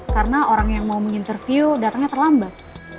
karena orang yang mau menginterview datangnya terlambat